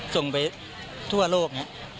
ส่งไปทั่วโลก